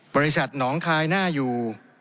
บริษัทหนองคายน่าอยู่